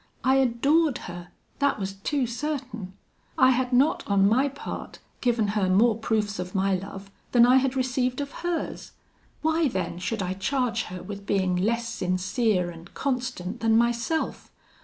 I adored her that was too certain; I had not on my part given her more proofs of my love than I had received of hers; why then should I charge her with being less sincere and constant than myself?